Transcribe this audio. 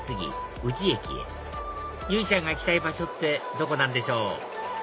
宇治駅へ由依ちゃんが行きたい場所ってどこなんでしょう？